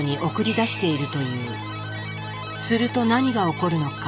すると何が起こるのか。